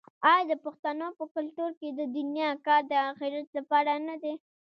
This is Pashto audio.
آیا د پښتنو په کلتور کې د دنیا کار د اخرت لپاره نه دی؟